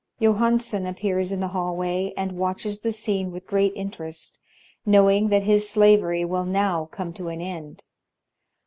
Johansson appears in the haUvxiy and watches the m scene with great interest, knotoing that his slavery will now come to an end.